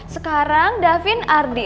sekarang davin ardi